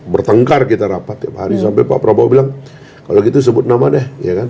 bertengkar kita rapat tiap hari sampai pak prabowo bilang kalau gitu sebut nama deh